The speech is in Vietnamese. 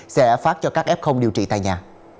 sẽ phát cho các f điều trị tại nhà